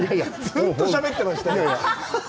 ずうっとしゃべってましたよ。